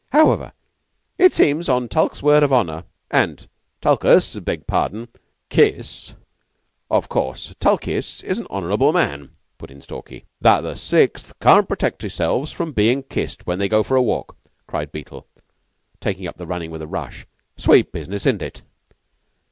However, it seems on Tulke's word of honor " "And Tulkus beg pardon kiss, of course Tulkiss is an honorable man," put in Stalky. " that the Sixth can't protect 'emselves from bein' kissed when they go for a walk!" cried Beetle, taking up the running with a rush. "Sweet business, isn't it?